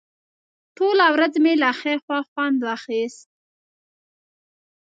ټوله ورځ مې له ښې هوا خوند واخیست.